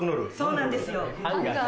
そうなんですよ。